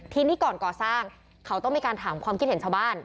ทีนี้ก่อนก่อสร้างเขาต้องมีการถามความคิดเห็นชาวบ้าน